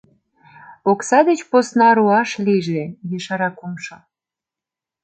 Окса деч посна руаш лийже! — ешара кумшо.